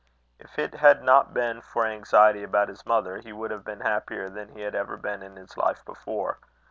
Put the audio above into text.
If it had not been for anxiety about his mother, he would have been happier than he had ever been in his life before.